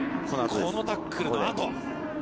このタックルのあと。